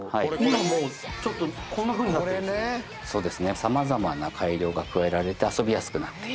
様々な改良が加えられて遊びやすくなっている。